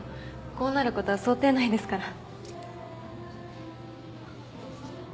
こうなることは想定内ですから。